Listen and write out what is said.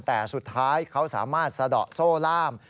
แต่สุดท้ายเขาสามารถสะดอกโซ่ล่าม